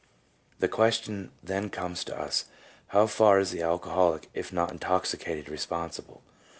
The question then comes to us, How far is the alcoholic, if not intoxicated, responsible?